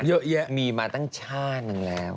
เยอะมีมาตั้งชาตินึงแล้ว